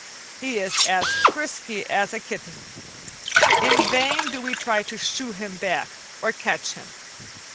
He is as frisky as a kitten. In vain do we try to "shoo" him back, or catch him.